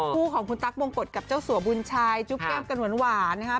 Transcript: คู่ของคุณตั๊กบงกฎกับเจ้าสัวบุญชายจุ๊บแก้มกันหวานนะครับ